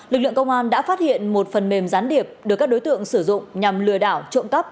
lực lượng công an đã phát hiện một phần mềm gián điệp được các đối tượng sử dụng nhằm lừa đảo trộm cắp